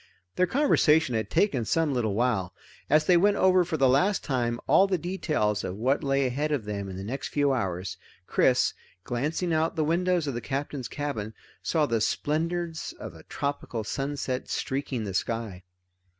Their conversation had taken some little while. As they went over for the last time all the details of what lay ahead of them in the next few hours, Chris, glancing out the windows of the Captain's cabin, saw the splendors of a tropical sunset streaking the sky.